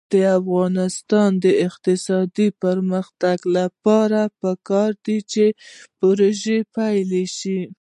د افغانستان د اقتصادي پرمختګ لپاره پکار ده چې پروژه پلي شي.